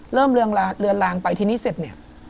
เรือนลางไปทีนี้เสร็จเนี่ย